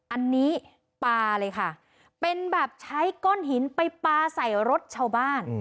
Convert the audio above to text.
อันนี้ปลาเลยค่ะเป็นแบบใช้ก้อนหินไปปลาใส่รถชาวบ้าน